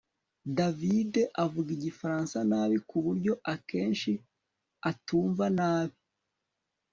davide avuga igifaransa nabi kuburyo akenshi atumva nabi